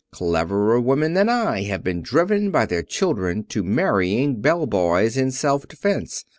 Cleverer women than I have been driven by their children to marrying bell boys in self defense.